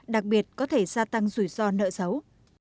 đặc biệt có thể gia tăng rủi ro nợ xấu